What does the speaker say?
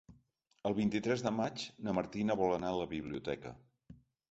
El vint-i-tres de maig na Martina vol anar a la biblioteca.